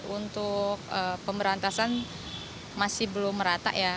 untuk pemberantasan masih belum merata ya